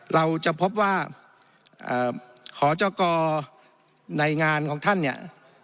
เราจะพบว่าขอจกรในงานของท่านเนี่ย